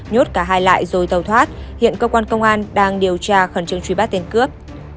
nhốt cả hai lại rồi tàu thoát hiện cơ quan công an đang điều tra khẩn trương truy bắt tên cướp